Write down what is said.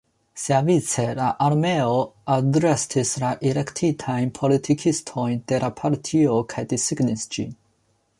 Siavice, la armeo arestis la elektitajn politikistojn de la partio kaj disigis ĝin.